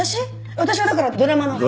私はだからドラマの配信。